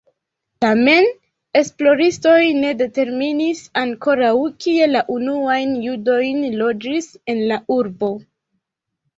Tamen, esploristoj ne determinis ankoraŭ kie la unuajn judojn loĝis en la urbo.